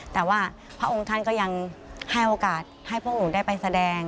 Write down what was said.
แต่ว่าเภทวงศ์ธรรมยังครับพระองค์ท่านยังให้โอกาสให้พวกหนูได้ไปแสดง